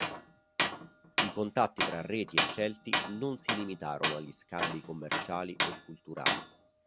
I contatti tra Reti e Celti non si limitarono agli scambi commerciali e culturali.